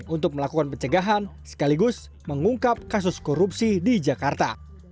untuk melakukan pencegahan sekaligus mengungkap kasus korupsi di jakarta